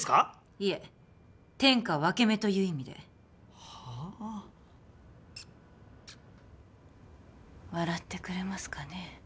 いえ天下分け目という意味ではあ笑ってくれますかね